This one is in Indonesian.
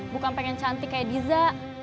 bukan pengen cantik kayak diza